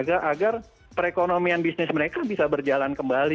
agar perekonomian bisnis mereka bisa berjalan kembali